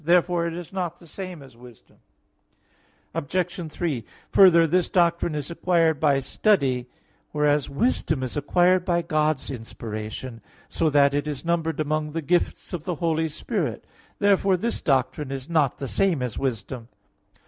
Therefore it is not the same as wisdom. Obj. 3: Further, this doctrine is acquired by study, whereas wisdom is acquired by God's inspiration; so that it is numbered among the gifts of the Holy Spirit (Isa. 11:2). Therefore this doctrine is not the same as wisdom.